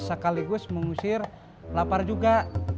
sekaligus mengusir lapar juga